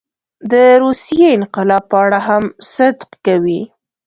د روسیې انقلاب په اړه هم صدق کوي.